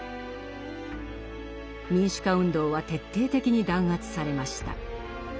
民主化運動は徹底的に弾圧されました。